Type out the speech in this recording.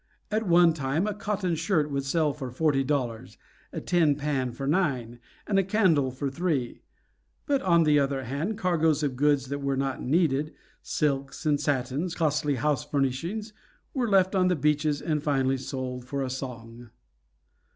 At one time a cotton shirt would sell for forty dollars, a tin pan for nine, and a candle for three. But on the other hand cargoes of goods that were not needed, silks and satins, costly house furnishings, were left on the beaches and finally sold for a song.